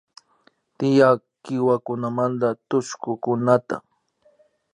Tiyak kiwakunamanta tullpukunata